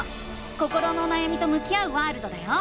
心のおなやみと向き合うワールドだよ！